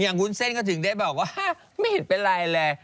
อย่างวุ้นเซ่นก็ถึงได้บอกว่าไม่เห็นเป็นไรเลย